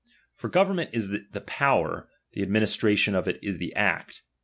For government is the power, the administration of it is the act.